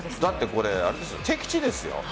これ、敵地ですよ。